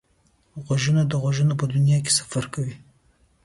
غوږونه د غږونو په دنیا کې سفر کوي